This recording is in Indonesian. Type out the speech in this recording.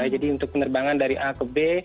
jadi untuk penerbangan dari a ke b